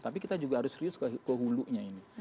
tapi kita juga harus serius ke hulunya ini